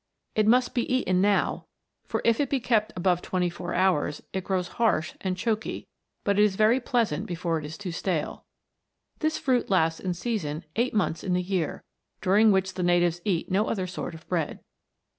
It must be eaten now, for if it be kept above twenty four hours, it grows harsh and choky, but it is very pleasant before it is too stale. This fruit lasts in season eight months in the year, during which the natives eat no other sort of bread."